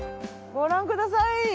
ご覧ください！